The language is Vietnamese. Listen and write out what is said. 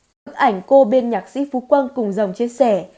các ảnh cô bên nhạc sĩ phú quang cùng dòng chia sẻ